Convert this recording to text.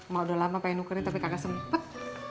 mau udah lama pengen nukerin tapi kakak sempet